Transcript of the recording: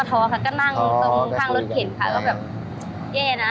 ทอครับก็นั่งถ้างรถขิ่นค่ะค่ะว่าแบบเย่นะ